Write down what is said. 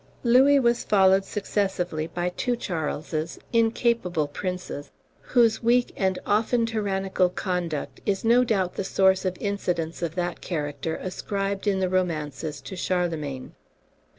Louis was followed successively by two Charleses, incapable princes, whose weak and often tyrannical conduct is no doubt the source of incidents of that character ascribed in the romances to Charlemagne.